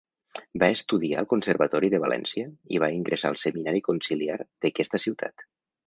Va estudiar al Conservatori de València i va ingressar al Seminari Conciliar d'aquesta ciutat.